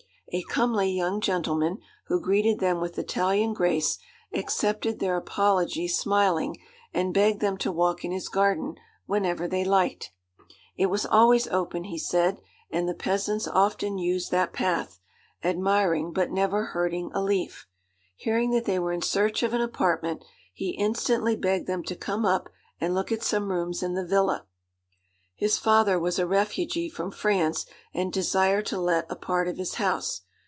A comely young gentleman, who greeted them with Italian grace, accepted their apology smiling, and begged them to walk in his garden whenever they liked. It was always open, he said, and the peasants often used that path, admiring but never hurting a leaf. Hearing that they were in search of an apartment, he instantly begged them to come up and look at some rooms in the villa. His father was a refugee from France, and desired to let a part of his house.